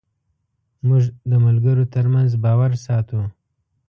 موږ د ملګرو تر منځ باور ساتو.